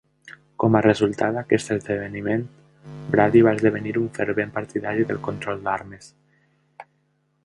Com a resultat d'aquest esdeveniment, Brady va esdevenir un fervent partidari del control d'armes.